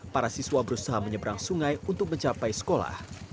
para siswa berusaha menyeberang sungai untuk mencapai sekolah